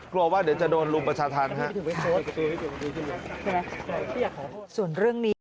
กลัวว่าเดี๋ยวจะโดนรุมประชาธรรมฮะ